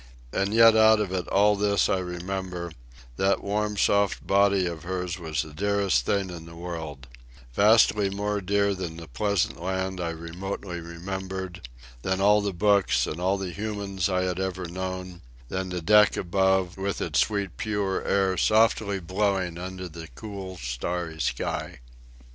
And yet out of it all this I remember: that warm soft body of hers was the dearest thing in the world—vastly more dear than the pleasant land I remotely remembered, than all the books and all the humans I had ever known, than the deck above, with its sweet pure air softly blowing under the cool starry sky.